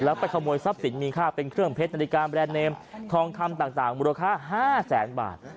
แล้วไปขโมยทรัพย์สินมีค่าเป็นเครื่องเพชรนาฬิกาแบรนดเนมทองคำต่างมูลค่า๕แสนบาท